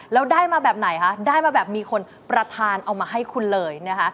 แล้วได้มาแบบไหนคะได้มาแบบมีคนประธานเอามาให้คุณเลยนะคะ